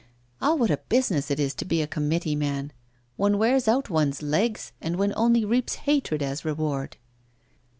Ah! what a business it is to be a committee man! One wears out one's legs, and one only reaps hatred as reward.